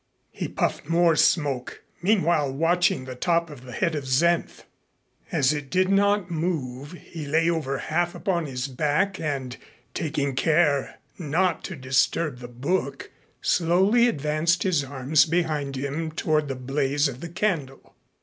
He puffed more smoke, meanwhile watching the top of the head of Senf. As it did not move, he lay over half upon his back, and, taking care not to disturb the book, slowly advanced his arms behind him toward the blaze of the candle.